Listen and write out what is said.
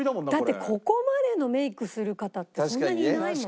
だってここまでのメイクする方ってそんなにいないもん。